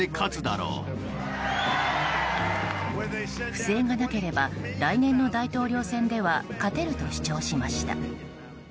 不正がなければ来年の大統領選では勝てると主張しました。